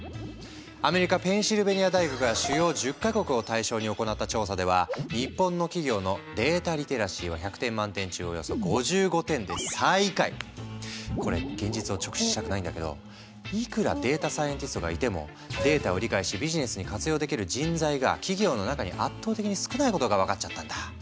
アメリカペンシルベニア大学が主要１０か国を対象に行った調査では日本の企業のデータリテラシーは１００点満点中およそ５５点でこれ現実を直視したくないんだけどいくらデータサイエンティストがいてもデータを理解しビジネスに活用できる人材が企業の中に圧倒的に少ないことが分かっちゃったんだ。